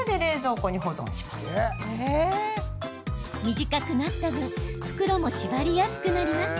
短くなった分袋も縛りやすくなります。